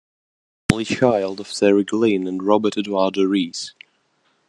An only child of Terry Glynn and Robert Eduardo Reece.